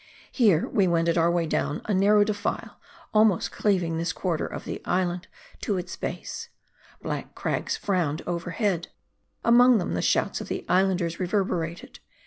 Here, we wended our way down a narrow defile, almost cleaving this quarter of the island to its base. Black crags frowned overhead : among them the shouts of the Islanders reverberated.